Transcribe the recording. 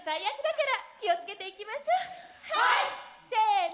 せの！